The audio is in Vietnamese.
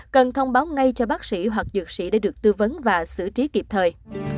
cần thông báo ngay cho bác sĩ hoặc dược sĩ để được tư vấn và xử trí kịp thời